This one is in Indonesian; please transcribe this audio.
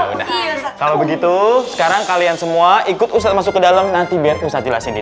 kan juga kalau begitu sekarang kalian semua ikut usah masuk ke dalam nanti biar usah jelasin di